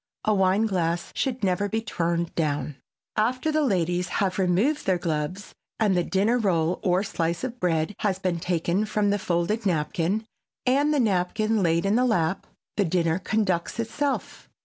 A wine glass should never be turned down. After the ladies have removed their gloves and the dinner roll or slice of bread has been taken from the folded napkin and the napkin laid in the lap, the dinner conducts itself.